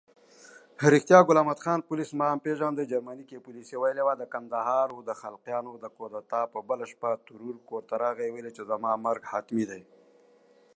A family man, Tanner is just a little envious of Bond's freedom.